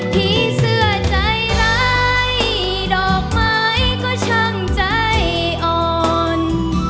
ผีเสื้อใจร้ายดอกไม้ก็ช่างใจอ่อน